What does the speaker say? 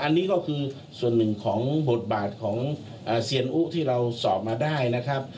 อันนี้ก็คือส่วนหนึ่งของบทบาทของเซียนอุที่เราสอบมาได้นะครับ